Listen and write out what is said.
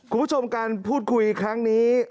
คุณผู้ชมการพูดคุยครั้งนี้